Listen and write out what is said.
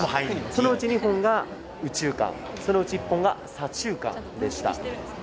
そのうち２本が右中間、そのうち１本が左中間でした。